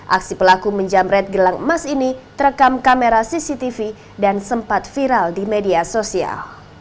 aksi pelaku menjamret gelang emas ini terekam kamera cctv dan sempat viral di media sosial